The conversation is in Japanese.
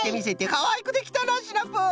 かわいくできたなシナプー。